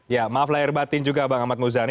ya maaflah irbatin juga pak ahmad muzani